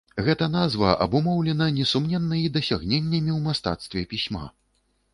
Гэта назва абумоўлена несумненна і дасягненнямі ў мастацтве пісьма.